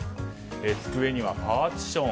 机にはパーティション。